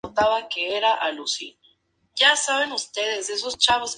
Posteriormente fue nombrado Ministro de Salud y Acción Social del mismo gobierno.